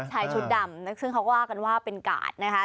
ชายชุดดำซึ่งเขาก็ว่ากันว่าเป็นกาดนะคะ